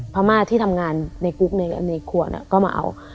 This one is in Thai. พม่าที่ทำงานในกุ๊กในครัวก็มาเอา